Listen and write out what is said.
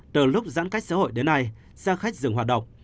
từ lúc giãn cách xã hội đến nay xe khách dừng hoạt động